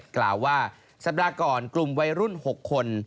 กล่าวว่าสัปดาห์ก่อนกลุ่มวัยรุ่น๖คน